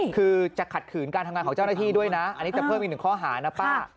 คือจะขัดขืนการทำงานของเจ้าหน้าที่ด้วยนะอันนี้จะเพิ่มอีกหนึ่งข้อหานะป้า